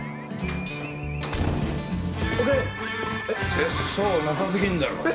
おかえ節操なさすぎんだろ